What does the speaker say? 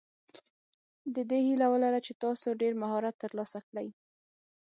د دې هیله ولره چې تاسو ډېر مهارت ترلاسه کړئ.